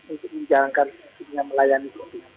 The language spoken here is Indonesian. untuk menjalankan fungsinya melayani